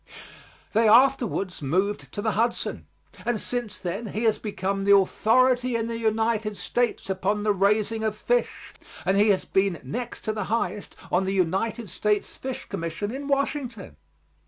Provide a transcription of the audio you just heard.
They afterwards moved to the Hudson, and since then he has become the authority in the United States upon the raising of fish, and he has been next to the highest on the United States Fish Commission in Washington.